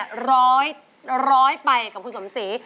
มาฟังอินโทรเพลงที่๑๐